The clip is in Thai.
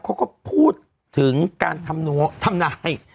เขาก็พูดถึงการทำนาย